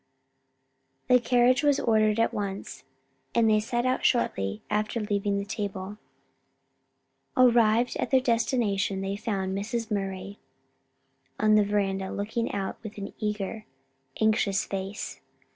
The carriage was ordered at once, and they set out shortly after leaving the table. Arrived at their destination they found Mrs. Murray on the veranda, looking out with an eager, anxious face.